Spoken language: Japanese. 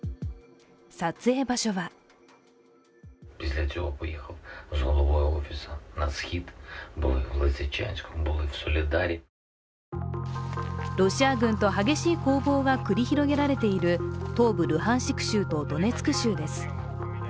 撮影場所はロシア軍と激しい攻防が繰り広げられている東部ルハンシク州とドネツク州です。